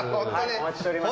お待ちしておりました。